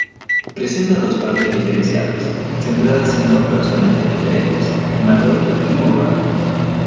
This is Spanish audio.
Presenta dos partes diferenciadas, centradas en dos personajes diferentes: Molloy y Moran.